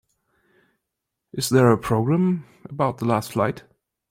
is there a program about The Last Flight?